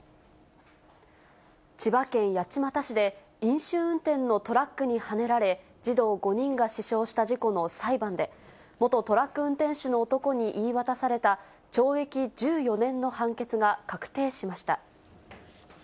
千葉県八街市で、飲酒運転のトラックにはねられ、児童５人が死傷した事故の裁判で、元トラック運転手の男に言い渡された懲役１４年の判決が確定しました。